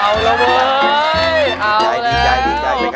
เอาแล้วบอกนะ